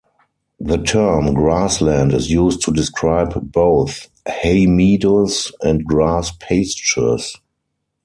The term, grassland, is used to describe both hay meadows and grass pastures.